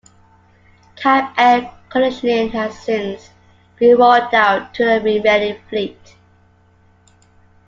Cab air conditioning has since been rolled out to the remaining fleet.